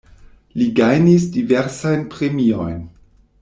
Li gajnis diversajn premiojn.